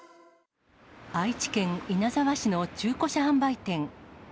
愛知県稲沢市の中古車販売店。